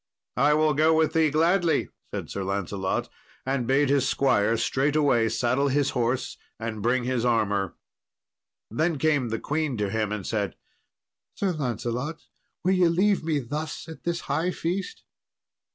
"I will go with thee gladly," said Sir Lancelot, and bade his squire straightway saddle his horse and bring his armour. Then came the queen to him and said, "Sir Lancelot, will ye leave me thus at this high feast?"